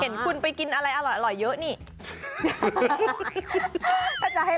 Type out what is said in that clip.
เห็นคุณไปกินอะไรอร่อยเยอะนี่